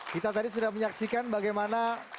kita tadi sudah menyaksikan bagaimana